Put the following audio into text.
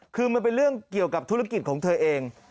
คือมันเป็นเรื่องเกี่ยวกับธุรกิจของเธอเอง